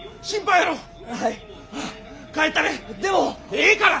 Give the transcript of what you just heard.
ええから！